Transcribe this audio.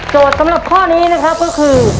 สำหรับข้อนี้นะครับก็คือ